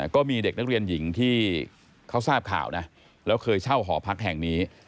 ก็มีเด็กนักเรียนหญิงที่เขาทราบข่าวนะแล้วเคยเช่าหอพักแห่งนี้